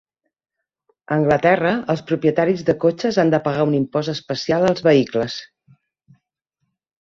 A Anglaterra, els propietaris de cotxes han de pagar un impost especial als vehicles.